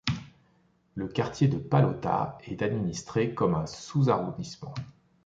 Le quartier de Palota est administré comme un sous-arrondissement.